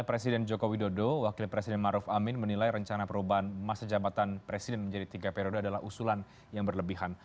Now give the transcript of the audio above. presiden joko widodo menilai rencana perubahan masa jabatan presiden menjadi tiga periode adalah usulan yang berlebihan